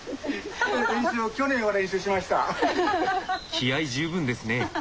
気合い十分ですね。